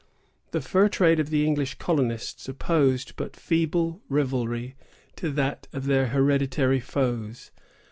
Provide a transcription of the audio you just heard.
The fur trade of the English colonists opposed but feeble rivalry to that of their hereditary foes.